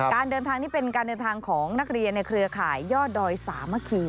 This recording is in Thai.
การเดินทางนี่เป็นการเดินทางของนักเรียนในเครือข่ายยอดดอยสามัคคี